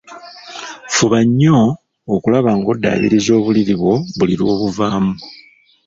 Fuba nnyo okulaba ng'oddaabiriza obuliri bwo buli lw‘obuvaamu.